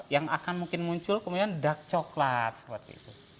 yang akan mungkin muncul kemudian dark chocolate